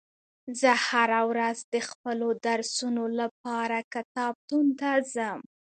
زه هره ورځ د خپلو درسونو لپاره کتابتون ته ځم